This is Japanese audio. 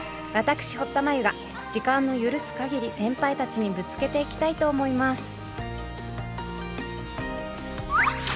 私堀田真由が時間の許す限り先輩たちにぶつけていきたいと思います！